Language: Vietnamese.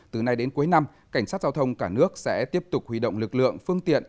từ nay đến cuối năm cảnh sát giao thông cả nước sẽ tiếp tục huy động lực lượng phương tiện